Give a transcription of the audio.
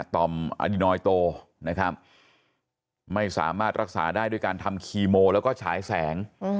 ต่อมอดินอยโตนะครับไม่สามารถรักษาได้ด้วยการทำคีโมแล้วก็ฉายแสง